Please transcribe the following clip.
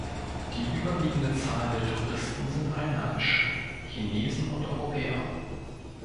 Die überwiegende Zahl der Touristen sind Einheimische, Chinesen und Europäer.